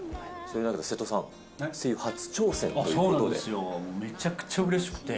瀬戸さん、声優初挑戦というあっ、そうなんですよ、めちゃくちゃうれしくて。